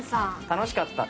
楽しかった。